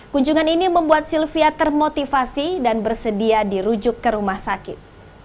kunjungan ini membuat sylvia termotivasi dan bersedia dirujuk ke rumah sakit